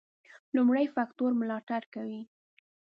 لومړي فکټور ملاتړ کوي.